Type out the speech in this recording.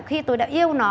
khi tôi đã yêu nó